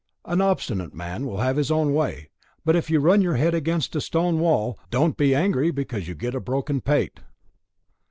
"An obstinate man will have his own way! But if you run your head against a stone wall, don't be angry because you get a broken pate."